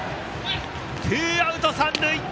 ツーアウト、三塁。